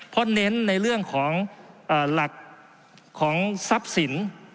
เพราะเน้นในเรื่องของหลักของทรัพย์สิน